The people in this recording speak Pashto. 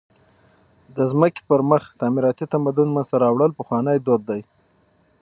د مځکي پر مخ تعمیراتي تمدن منځ ته راوړل پخوانى دود دئ.